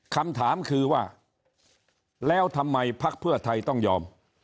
คำถามคือว่าแล้วทำไมพักเพื่อไทยต้องยอม